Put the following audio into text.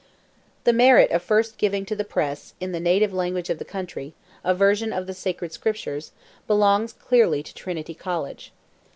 The merit of first giving to the press, in the native language of the country, a version of the Sacred Scriptures, belongs clearly to Trinity College.